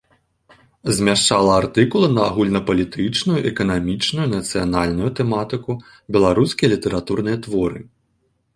Змяшчала артыкулы на агульнапалітычную, эканамічную, нацыянальную тэматыку, беларускія літаратурныя творы.